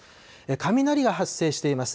雷が発生しています。